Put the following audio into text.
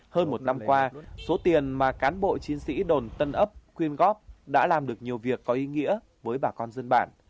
hơn một năm qua số tiền mà cán bộ chiến sĩ đồn tân ấp quyên góp đã làm được nhiều việc có ý nghĩa với bà con dân bản